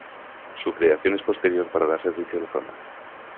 Su creación es posterior para dar servicio a la zona.